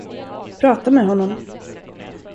Prata med honom.